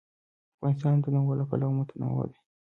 افغانستان د تنوع له پلوه متنوع دی.